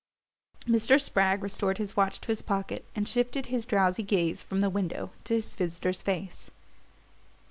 Mr. Spragg restored his watch to his pocket and shifted his drowsy gaze from the window to his visitor's face.